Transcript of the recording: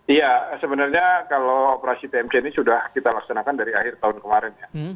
iya sebenarnya kalau operasi tmc ini sudah kita laksanakan dari akhir tahun kemarin ya